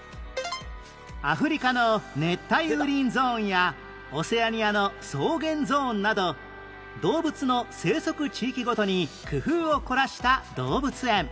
アフリカの熱帯雨林ゾーンやオセアニアの草原ゾーンなど動物の生息地域ごとに工夫を凝らした動物園